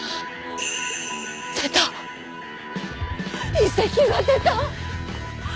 遺跡が出た。